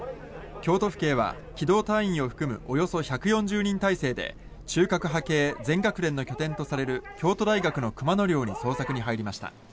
京都府警は機動隊員を含むおよそ１４０人態勢で中核派系全学連の拠点とされる京都大学の熊野寮に捜索に入りました。